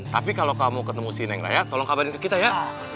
tapi kalau kamu ketemu si neng raya tolong kabarin ke kita ya